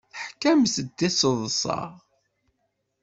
Teḥkamt-d tiseḍsa.